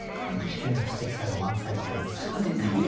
地球のすてきさが満載の句でございますね。